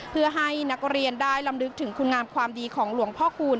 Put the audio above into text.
เพื่อให้นักเรียนได้ลำลึกถึงคุณงามความดีของหลวงพ่อคูณ